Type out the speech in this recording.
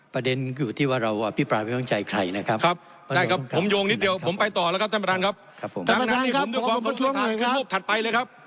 ครับผมท่านประทานครับขอบคุณประทรวงหน่อยครับขึ้นรูปถัดไปเลยครับ